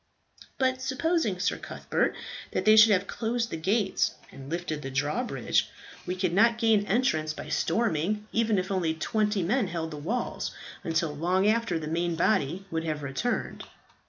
"But supposing, Sir Cuthbert, that they should have closed the gates and lifted the drawbridge? We could not gain entrance by storming, even if only twenty men held the walls, until long after the main body would have returned."